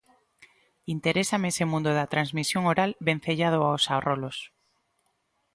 Interésame ese mundo da transmisión oral vencellado aos arrolos.